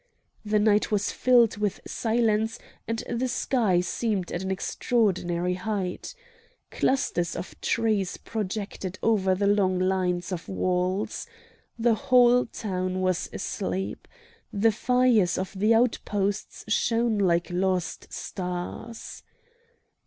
The night was filled with silence, and the sky seemed at an extraordinary height. Clusters of trees projected over the long lines of walls. The whole town was asleep. The fires of the outposts shone like lost stars.